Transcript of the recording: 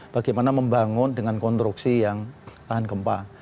bagaimana membangun dengan konstruksi yang tahan gempa